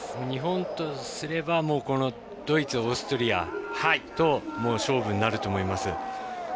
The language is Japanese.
日本とすればドイツ、オーストリアと勝負になると思います。